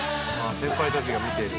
先輩たちが見てる。